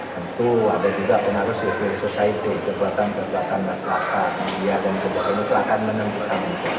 tentu ada juga penaruh civil society kekuatan kekuatan masyarakat media dan sebuah penutup akan menentukan